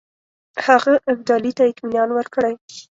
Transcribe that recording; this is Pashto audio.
هغه ابدالي ته اطمینان ورکړی.